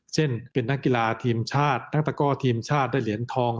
เช่นเป็นนักกีฬาที่ชาตินะวตเกอร์ที่ชาติได้เหลี่ยนทอง